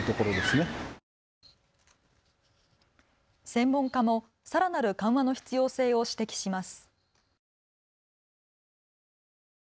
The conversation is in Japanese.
専門家もさらなる緩和の必要性を指摘します。